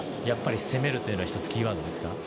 やっぱり攻めるというのは一つキーワードですか？